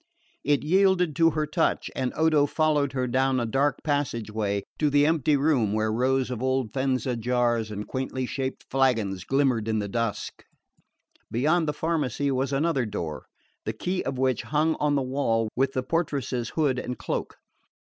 It yielded to her touch and Odo followed her down a dark passageway to the empty room where rows of old Faenza jars and quaintly shaped flagons glimmered in the dusk. Beyond the pharmacy was another door, the key of which hung on the wall with the portress's hood and cloak.